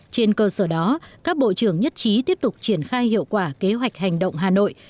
trên cơ sở đó các bộ trưởng nhất trí tiếp tục triển khai hiệu quả kế hoạch hành động hà nội